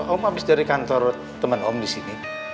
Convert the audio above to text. om habis dari kantor temen om di sini